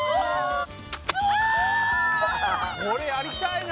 これやりたいな。